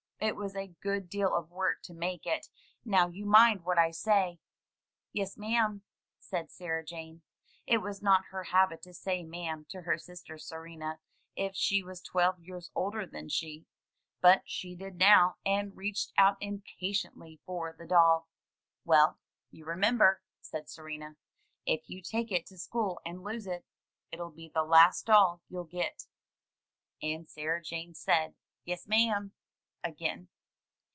It was a good deal of work to make it. Now you mind what I say." "Yes, ma'am," said Sarah Jane. It was not her habit to say ma'am to her sister Serena, if she was twelve years older than she; but she did now, and reached out impatiently for the doll. "Well, you remember," said Serena. "If you take it to school and lose it, it'll be the last doll you'll get." And Sarah Jane said, "Yes, ma'am," again.